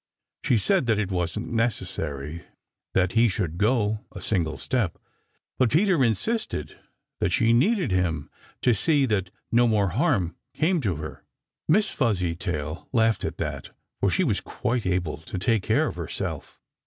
She said that it wasn't necessary that he should go a single step, but Peter insisted that she needed him to see that no more harm came to her. Miss Fuzzytail laughed at that, for she felt quite able to take care of herself.